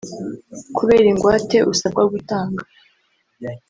kubera ingwate usabwa gutanga